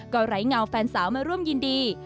ก็ไร้เงาแฟนสาวมาร่วมยินดี